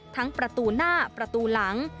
ประตูหน้าประตูหลัง